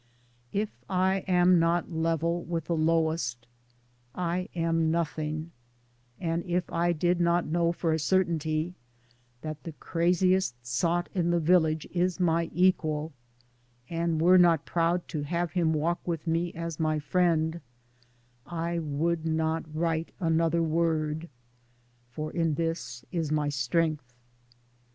V If I am not level with the lowest I am nothing ; and if I did not know for a certainty that the craziest sot in the village is my equal, and were not proud to have him walk with me as my friend, I would not write another word — for in this is my strength.